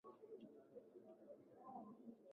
Sijazoea mvuke.